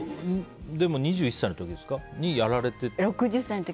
２１歳の時にやられて。